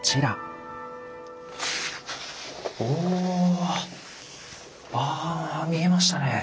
おお。ああ見えましたね。